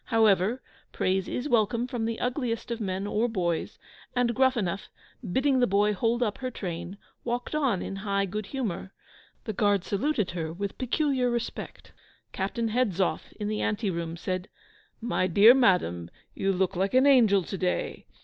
However, praise is welcome from the ugliest of men or boys, and Gruffanuff, bidding the boy hold up her train, walked on in high good humour. The Guards saluted her with peculiar respect. Captain Hedzoff, in the anteroom said, "My dear madam, you look like an angel to day."